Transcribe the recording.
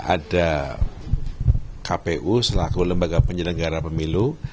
ada kpu selaku lembaga penyelenggara pemilu